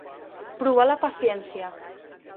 Provar la paciència.